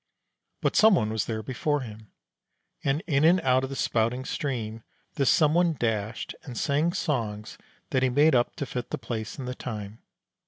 But some one was there before him. And in and out of the spouting stream this some one dashed, and sang songs that he made up to fit the place and the time.